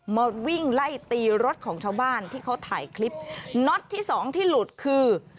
มาวิ่งไล่ตีรถของชาวบ้านที่เขาถ่ายคลิปน็อตที่สองที่หลุดคือ